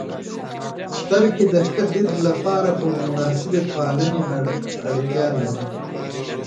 • سترګې د ښه دید لپاره پر مناسبې پالنې اړتیا لري.